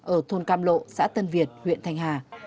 ở thôn cam lộ xã tân việt huyện thanh hà